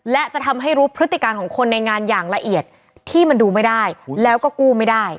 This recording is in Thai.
และจะทำให้รู้พฤติการของคนในงานอย่างละเอียดที่มันดูไม่ได้แล้วก็กู้ไม่ได้